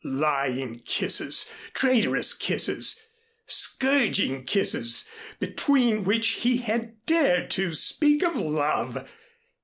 Lying kisses, traitorous kisses, scourging kisses, between which he had dared to speak of love!